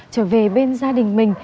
trở về bên gia đình mình